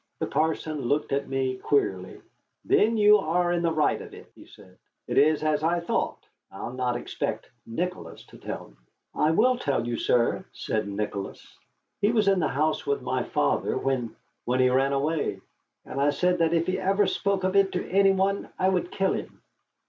The parson looked at me queerly. "Then you are in the right of it," he said. "It is as I thought; I'll not expect Nicholas to tell me." "I will tell you, sir," said Nicholas. "He was in the house with my father when when he ran away. And I said that if he ever spoke of it to any one, I would kill him."